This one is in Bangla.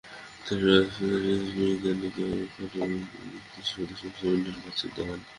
তিনি রয়্যাল সুইডিশ বিজ্ঞান একাডেমির বিদেশি সদস্য হিসেবে নির্বাচিত হন।